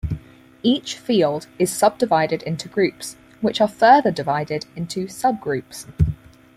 Each "field" is subdivided into "groups", which are further divided into "sub-groups".